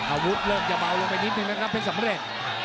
อาวุธเริ่มจะเบาลงไปนิดนึงนะครับเพชรสำเร็จ